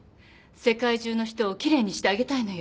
世界中の人を奇麗にしてあげたいのよ。